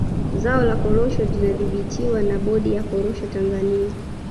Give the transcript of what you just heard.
Zao la korosho linadhibitiwa na bodi ya korosho Tanzania